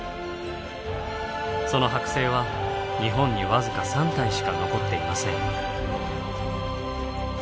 その剥製は日本に僅か３体しか残っていません。